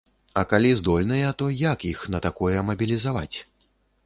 А калі здольныя, то як іх на такое мабілізаваць?